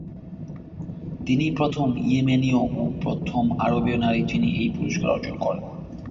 তিনিই প্রথম ইয়েমেনীয় ও প্রথম আরবীয় নারী হিসেবে এই পুরস্কার অর্জন করেন।